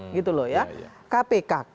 gitu loh ya kpkk